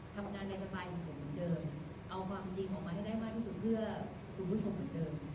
ทำงานในสบายของผมเหมือนเดิมเอาความจริงออกมาให้ได้มากที่สุดเพื่อคุณผู้ชมเหมือนเดิม